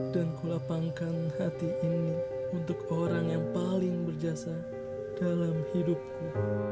kulapangkan hati ini untuk orang yang paling berjasa dalam hidupku